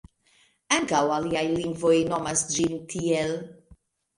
Ankaŭ aliaj lingvoj nomas ĝin tiel.